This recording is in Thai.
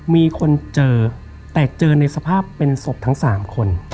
มีคนเจอแต่เจอในสภาพเป็นศพทั้ง๓คน